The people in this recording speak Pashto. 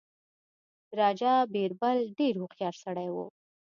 راجا بیربل ډېر هوښیار سړی وو.